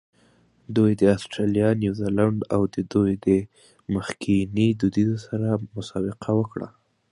They competed against Australia, New Zealand and traditional rivals England.